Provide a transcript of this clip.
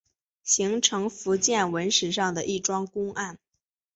形成福建文史上的一桩公案。